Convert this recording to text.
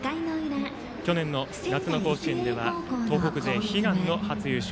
去年の夏の甲子園では東北勢悲願の初優勝。